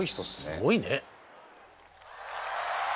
すごいね。